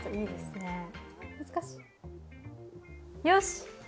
よし！